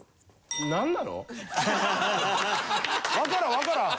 わからんわからん。